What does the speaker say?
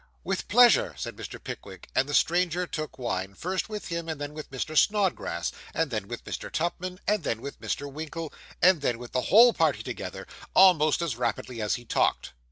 'With pleasure,' said Mr. Pickwick; and the stranger took wine, first with him, and then with Mr. Snodgrass, and then with Mr. Tupman, and then with Mr. Winkle, and then with the whole party together, almost as rapidly as he talked.